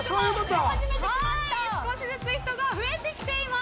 少しずつ人が増えてきています。